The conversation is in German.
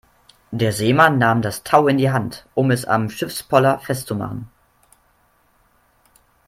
Der Seemann nahm das Tau in die Hand, um es am Schiffspoller festzumachen.